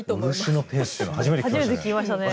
漆のペースって初めて聞きましたね。